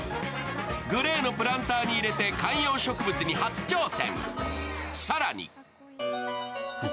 グレーのプランターに入れて観葉植物に初挑戦。